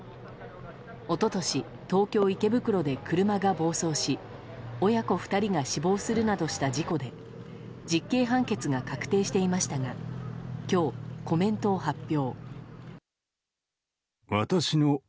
一昨年、東京・池袋で車が暴走し親子２人が死亡するなどした事故で実刑判決が確定していましたが今日、コメントを発表。